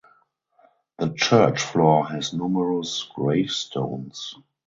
The church floor has numerous gravestones.